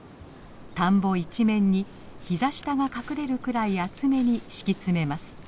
田んぼ一面に膝下が隠れるくらい厚めに敷き詰めます。